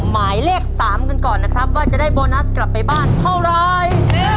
หมายเลข๓กันก่อนนะครับว่าจะได้โบนัสกลับไปบ้านเท่าไร